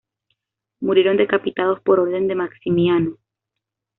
Murieron decapitados por orden de Maximiano.